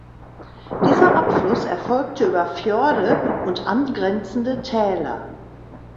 Dieser Abfluss erfolgte über Fjorde und angrenzende Täler.